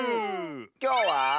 きょうは。